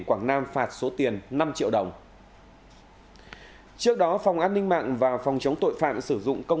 quảng nam phạt số tiền năm triệu đồng trước đó phòng an ninh mạng và phòng chống tội phạm sử dụng công